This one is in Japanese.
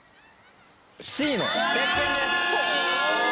Ｃのせっけんです！